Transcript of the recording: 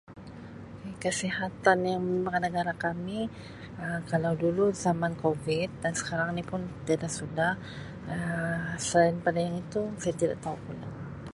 Kesihatan yang [unintelligible] negara kami Um kalau dulu zaman Covid sekarang ni pun tiada sudah Um selain pada yang itu saya tidak tau.